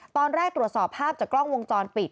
ตอนแรกตรวจสอบภาพจากกล้องวงจรปิด